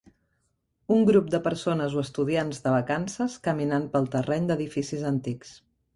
Un grup de persones o estudiants de vacances caminant pel terreny d'edificis antics